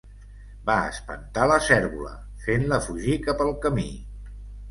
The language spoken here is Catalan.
Va espantar la cérvola, fent-la fugir cap al camí.